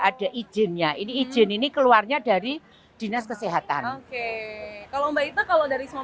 ada izinnya ini izin ini keluarnya dari dinas kesehatan oke kalau mbak ita kalau dari semua